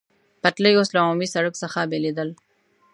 پټلۍ اوس له عمومي سړک څخه بېلېدل.